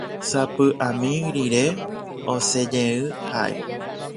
Sapy'ami rire osẽjey ha'e.